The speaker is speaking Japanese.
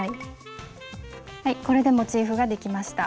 これでモチーフができました。